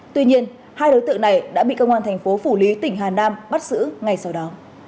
tuy nhiên hai đối tượng này đã bị công an tp hcm bắt giữ ngay sau đó